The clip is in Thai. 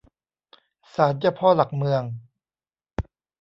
ศาลเจ้าพ่อหลักเมือง